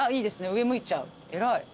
上向いちゃう偉い。